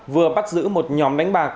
vừa bắt giữ một nhóm đánh bạc